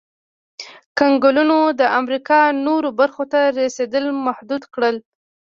کنګلونو د امریکا نورو برخو ته رسېدل محدود کړل.